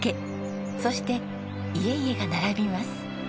そして家々が並びます。